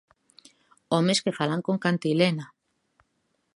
Homes que falan con cantilena.